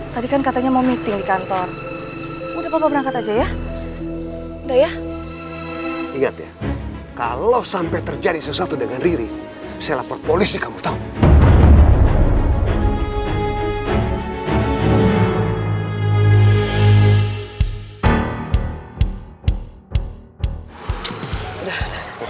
sampai jumpa di video selanjutnya